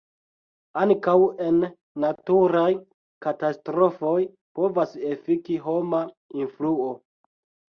Ankaŭ en naturaj katastrofoj povas efiki homa influo.